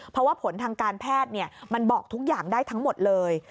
เพราะว่าผลทางการแพทย์มันบอกทุกอย่างได้ทั้งหมดเลย